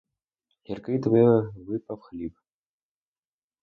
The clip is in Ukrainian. Гіркий тобі випав хліб!